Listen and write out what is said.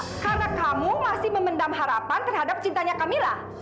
karena kamu masih memendam harapan terhadap cintanya kamila